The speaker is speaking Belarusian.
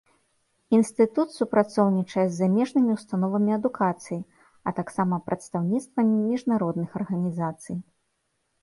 Інстытут супрацоўнічае з замежнымі ўстановамі адукацыі, а таксама прадстаўніцтвамі міжнародных арганізацый.